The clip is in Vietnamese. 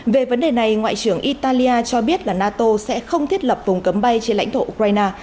về vấn đề này ngoại trưởng italia cho biết là nato sẽ không thiết lập vùng cấm bay trên lãnh thổ ukraine